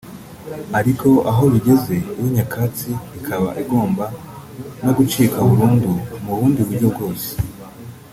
ariko aho bigeze iyo nyakatsi ikaba igomba no gucika burundu mu bundi buryo bwose